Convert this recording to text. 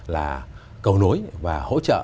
là cầu nối và hỗ trợ